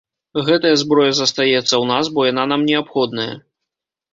Гэтая зброя застаецца ў нас, бо яна нам неабходная.